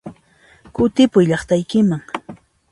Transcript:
Kutipuy llaqtaykiman!